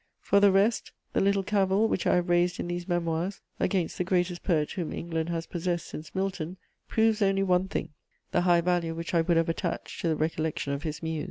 For the rest, the little cavil which I have raised in these Memoirs against the greatest poet whom England has possessed since Milton proves only one thing: the high value which I would have attached to the recollection of his muse.